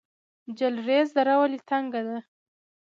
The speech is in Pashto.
جلریز دره ولې تنګه ده؟